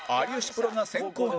プロが先攻に